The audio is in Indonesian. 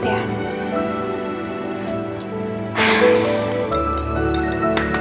iya benar tijdung kita